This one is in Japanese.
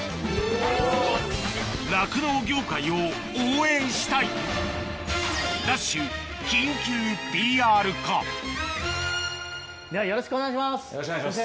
酪農業界をではよろしくお願いします。